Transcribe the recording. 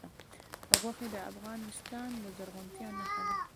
غوښې د افغانستان د زرغونتیا نښه ده.